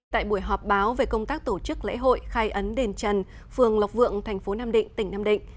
tại buổi họp báo về công tác tổ chức lễ hội khai ấn đền trần phường lộc vượng thành phố nam định tỉnh nam định